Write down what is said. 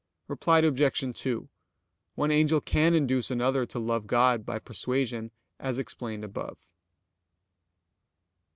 Reply Obj. 2: One angel can induce another to love God by persuasion as explained above.